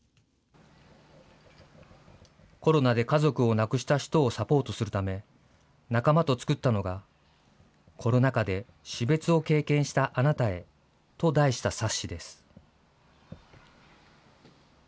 コロナで家族を亡くした人をサポートするため、仲間と作ったのが、コロナ下で死別を経験したあなたへと題した冊子です。